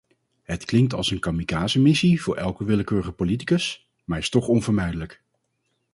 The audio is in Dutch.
Het klinkt als een kamikazemissie voor elke willekeurige politicus, maar is toch onvermijdelijk.